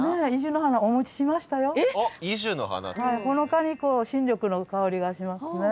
ほのかに新緑の香りがしますね。